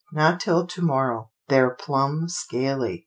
Not till to morrow." " They're plumb scaly."